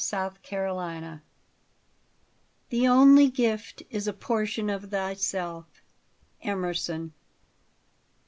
64 OFFERINGS. The only gift is a portion of thyself. — EMERSON.